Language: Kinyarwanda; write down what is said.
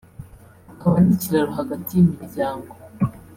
ukaba n’ikiraro hagati y’imiryango